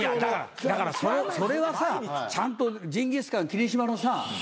だからそれはさちゃんとジンギスカン霧島のさ。